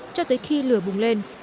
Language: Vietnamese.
cho tới khi lửa bùng lên